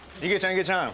いげちゃん。